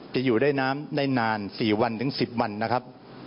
จะอยู่ในน้ำได้นาน๔๑๐วันนะครับ